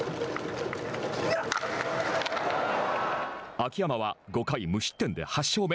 秋山は５回無失点で８勝目。